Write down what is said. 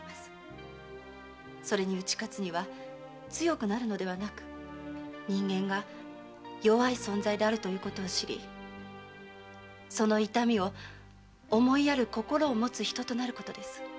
それに打ち勝つには強くなるのではなく人間が弱い存在であるということを知りその痛みを思いやる心を持つ人となることです。